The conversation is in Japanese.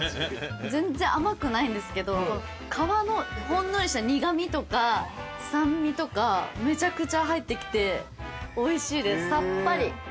全然甘くないんですけど皮のほんのりした苦味とか酸味とかめちゃくちゃ入ってきておいしいですさっぱり。